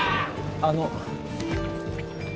あの。